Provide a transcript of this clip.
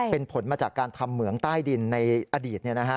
เป็นผลมาจากการทำเหมืองใต้ดินในอดีต